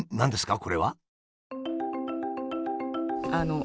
これは。